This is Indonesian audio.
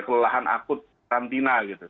kelelahan akut karantina gitu